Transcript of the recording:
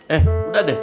eh udah deh